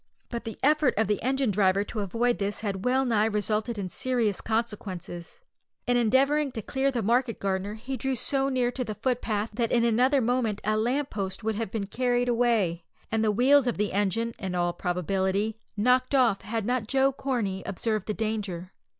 But the effort of the engine driver to avoid this had well nigh resulted in serious consequences. In endeavouring to clear the market gardener he drew so near to the footpath that in another moment a lamp post would have been carried away, and the wheels of the engine, in all probability, knocked off, had not Joe Corney observed the danger.